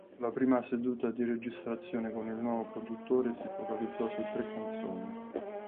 La prima seduta di registrazione con il nuovo produttore si focalizzò su tre canzoni.